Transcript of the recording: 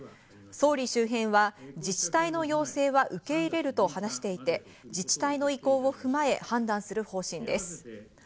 総理周辺は自治体の要請は受け入れると話していて、自治体の意向を踏まえ判断する方針です。